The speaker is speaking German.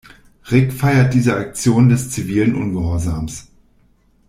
Rick feiert diese Aktion des zivilen Ungehorsams.